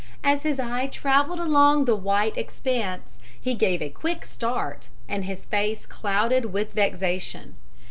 As his eye traveled along the white expanse, he gave a quick start, and his face clouded with vexation.